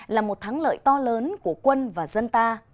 là một thắng lợi to lớn của quân và dân ta